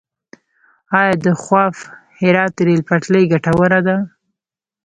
آیا د خواف - هرات ریل پټلۍ ګټوره ده؟